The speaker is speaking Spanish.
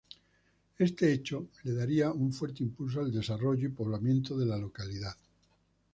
Este hecho le daría un fuerte impulso al desarrollo y poblamiento de la localidad.